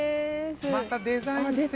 またデザイン素敵！